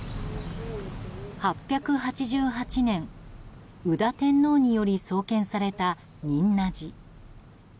８８８年、宇多天皇により創建された仁和寺。